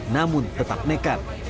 namun tetap nekat